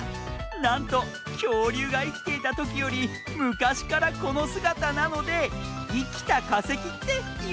なんときょうりゅうがいきていたときよりむかしからこのすがたなので「いきたかせき」っていわれているんだ。